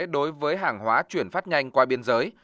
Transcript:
đối với hàng hóa chuyển phát nhanh qua biên giới